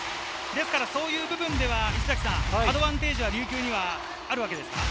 ですからそういう部分ではアドバンテージは琉球にはあるわけですか？